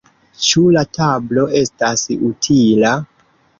Ĉu la tablo estas utila?